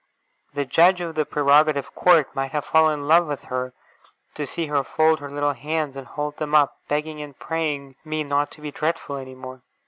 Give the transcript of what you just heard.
The judge of the Prerogative Court might have fallen in love with her, to see her fold her little hands and hold them up, begging and praying me not to be dreadful any more.